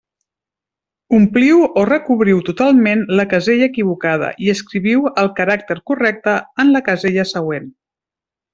Ompliu o recobriu totalment la casella equivocada i escriviu el caràcter correcte en la casella següent.